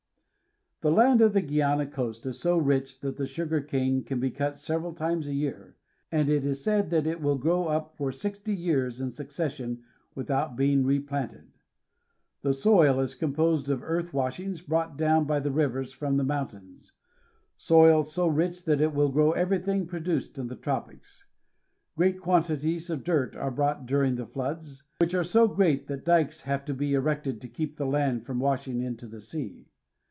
The land of the Guiana coast is so rich that the sugar cane can be cut several times a year, and it is said that it will grow up for sixty years in succession without being replanted. The soil is composed of earth washings brought down by the rivers from the mountains, soil so rich that it will grow everything produced in the tropics. Great quantities of dirt are brought during the floods, which are so great that dikes have to be erected to keep the land from washing into the sea.